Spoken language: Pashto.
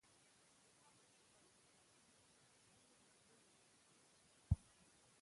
سهار وختي پاڅېدو. عمه مې لاس ونیو او ویې ویل:راشه